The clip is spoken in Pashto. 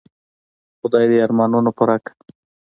خدای دي ارمانونه پوره کړه .